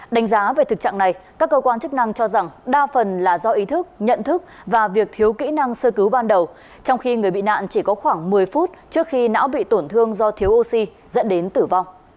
đánh giá về thực trạng này các cơ quan chức năng cho rằng đa phần là do ý thức nhận thức và việc thiếu kỹ năng sơ cứu ban đầu trong khi người bị nạn chỉ có khoảng một mươi phút trước khi não bị tổn thương do thiếu oxy dẫn đến tử vong